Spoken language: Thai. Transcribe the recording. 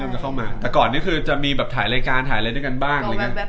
แต่ก่อนนี้ก็จะมีแบบถ่ายรายการถ่ายอะไรด้วยกันบ้าง